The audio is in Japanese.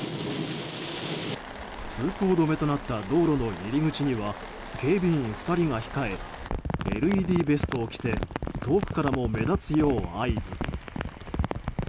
通行止めとなった道路の入り口には警備員２人が控えＬＥＤベストを着て遠くからも目立つよう合図。